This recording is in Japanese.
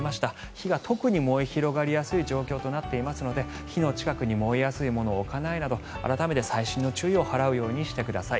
火が特に燃え広がりやすい状況となっていますので火の近くに燃えやすいものを置かないなど改めて細心の注意を払うようにしてください。